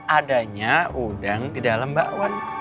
adanya udang di dalam bakwan